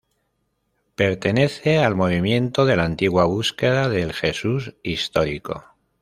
Pertenece al movimiento de la Antigua búsqueda del Jesús histórico.